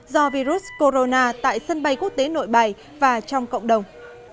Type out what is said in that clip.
do virus corona tại sân bay quốc tế nội bài và trong cộng đồng